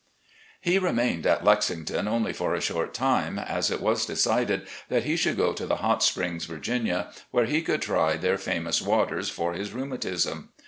He remained at Lexington only for a short time, as it was decided that he should go to the Hot Springs, Virginia, where he could try their famous waters for his rheumatism.